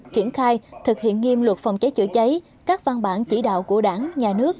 triển khai thực hiện nghiêm luật phòng cháy chữa cháy các văn bản chỉ đạo của đảng nhà nước